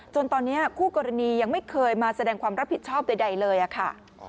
ตอนนี้คู่กรณียังไม่เคยมาแสดงความรับผิดชอบใดเลยค่ะ